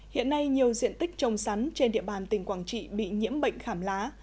hiện nay nhiều diện tích trồng sắn trên địa bàn tỉnh quảng trị bị nhiễm bệnh khảm lá